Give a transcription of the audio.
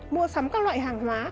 mua sắm các loại hàng hóa